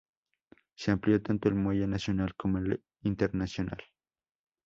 Se amplió tanto el muelle nacional como el internacional.